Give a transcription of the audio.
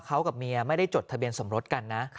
เขากับเมียไม่ได้จดทะเบียนสมรสกันนะ